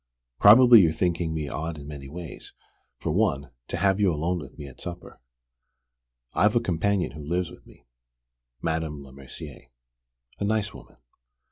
Probably you're thinking me odd in many ways: for one, to have you alone with me at supper. I've a companion who lives with me, Madame Lemercier, a nice woman.